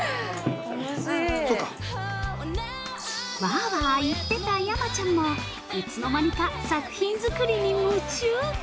◆わあわあ言ってた山ちゃんもいつの間にか作品作りに夢中。